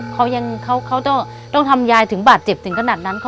เขายังเขาต้องทำยายถึงบาดเจ็บถึงขนาดนั้น